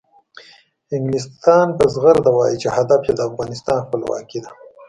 انګلستان په زغرده وایي چې هدف یې د افغانستان خپلواکي ده.